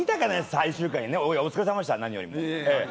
最終回お疲れさまでした何よりも。